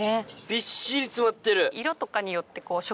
びっしり詰まってる。